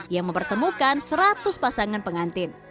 yang mempertemukan seratus pasangan pengantin